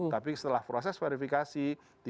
tapi setelah proses verifikasi